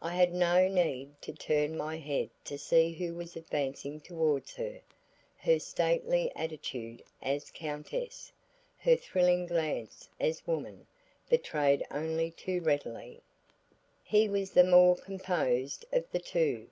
I had no need to turn my head to see who was advancing towards her; her stately attitude as countess, her thrilling glance as woman, betrayed only too readily. He was the more composed of the two.